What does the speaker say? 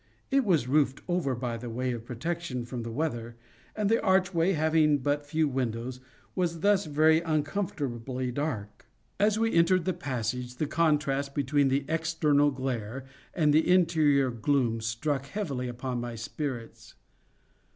It was roofed over, by way of protection from the weather, and the archway, having but few windows, was thus very uncomfortably dark. As we entered the passage, the contrast between the external glare and the interior gloom struck heavily upon my spirits.